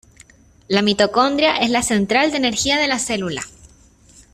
La mitocondria es la central de energía de la célula.